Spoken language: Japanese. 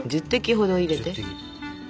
１０滴ほど入れて。